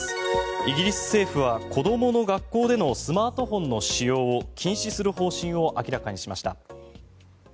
イギリス政府は、子どもの学校でのスマートフォンの使用を禁止する方針を明らかにしました。